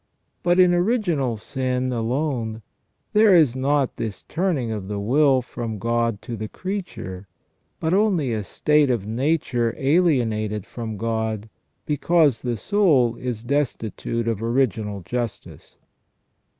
But in original sin alone there is not this turning of the will from God to the creature, but only a state of nature alienated from God because the soul is destitute of original justice.